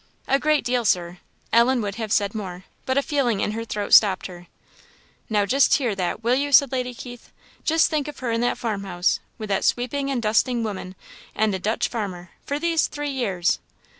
"A great deal, Sir." Ellen would have said more, but a feeling in her throat stopped her. "Now, just hear that, will you?" said Lady Keith. "Just think of her in that farmhouse, with that sweeping and dusting woman and a Dutch farmer, for these three years!"